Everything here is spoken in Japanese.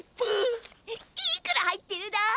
いくら入ってるだ？